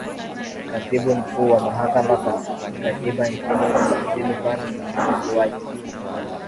katibu mkuu wa mahakama kikatiba nchini silvain nuatin